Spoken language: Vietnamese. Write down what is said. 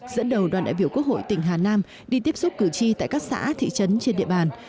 dẫn đầu đoàn đại biểu quốc hội tỉnh hà nam đi tiếp xúc cử tri tại các xã thị trấn trên địa bàn